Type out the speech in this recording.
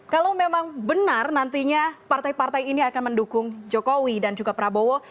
kalau memang benar nantinya partai partai ini akan mendukung jokowi dan juga prabowo